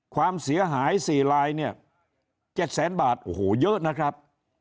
ความเสียหาย๔ลายเนี่ย๗แสนบาทโอ้โหเยอะนะครับ